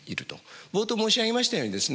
冒頭申し上げましたようにですね